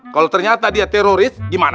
kalau ternyata dia teroris gimana